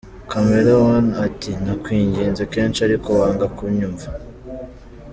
Chameleone ati “Nakwinginze kenshi ariko wanga kunyumva.